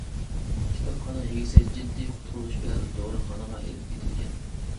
كىتابخانا ئىگىسى جىددىي قۇتقۇزۇش بىلەن دوختۇرخانىغا ئىلىپ كېتىلگەن.